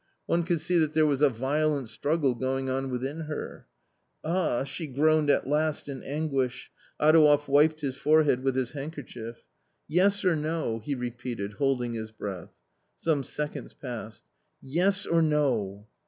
One could see that there was a violent struggle going on within her. " Ah !" she groaned at last in anguish. Adouev wiped his forehead with his handkerchief. "Yes or no?" he repeated, holding his breath. Some seconds passed. " Yes or no